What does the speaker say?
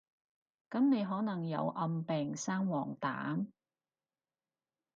噉你可能有暗病生黃疸？